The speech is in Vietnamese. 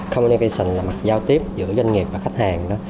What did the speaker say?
communication là mặt giao tiếp giữa doanh nghiệp và khách hàng